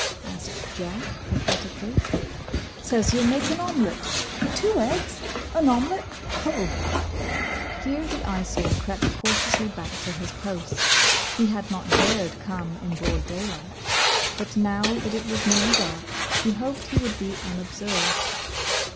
asked Jack pathetically. "Says he'll make an omelette! Two eggs! An omelette! Ho!" Here the Eyesore crept cautiously back to his post. He had not dared come in broad daylight, but now that it was nearly dark he hoped he would be unobserved.